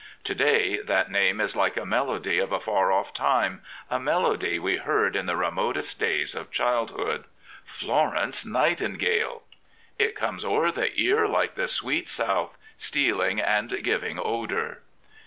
To day that name is like a melody of a far off time — a melody we heard in the remotest days of childhood. Florence Nightingale I It comes o'er the ear like the sweet South, Stealing and giving odour.